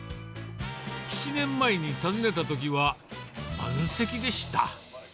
７年前に訪ねたときは、満席でした。